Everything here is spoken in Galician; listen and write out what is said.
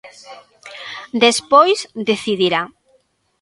Despois, decidirá.